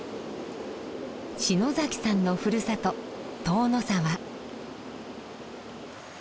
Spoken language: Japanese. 篠崎さんのふるさと塔ノ沢。